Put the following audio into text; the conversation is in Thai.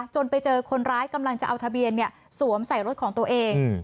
ไปเจอคนร้ายกำลังจะเอาทะเบียนสวมใส่รถของตัวเอง